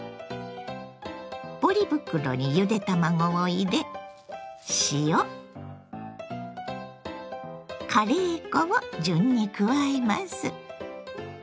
ポリ袋にゆで卵を入れ塩カレー粉を順に加えます。